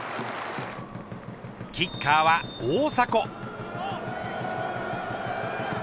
キッカーは大迫。